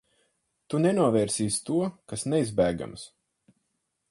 Tu nenovērsīsi to, kas neizbēgams.